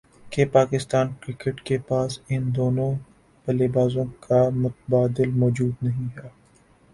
کہ پاکستان کرکٹ کے پاس ان دونوں بلے بازوں کا متبادل موجود نہیں ہے